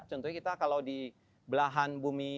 contohnya kita kalau di belahan bumi